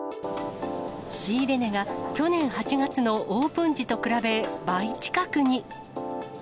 仕入れ値が去年８月のオープン時と比べ、倍近くに。